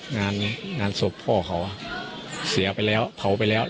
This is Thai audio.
งานนี้งานศพพ่อเขาเสียไปแล้วเผาไปแล้ว